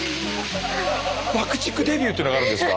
爆竹デビューってのがあるんですか？